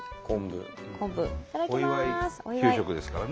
お祝い給食ですからね。